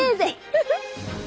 フフッ！